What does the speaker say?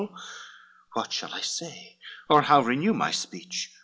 LVII "What shall I say, or how renew my speech?